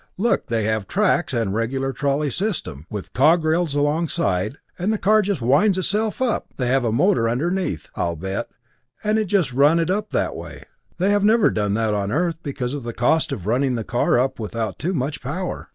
Look they have tracks, and a regular trolley system, with cog rails alongside, and the car just winds itself up! They have a motor underneath, I'll bet, and just run it up in that way. They have never done that on Earth because of the cost of running the car up without too much power.